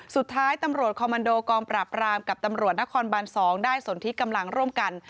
สุดท้ายตำรวจคอมมันโดกองปราบรามกับตำรวจนครบัน๒ได้สนที่กำลังร่วมกัน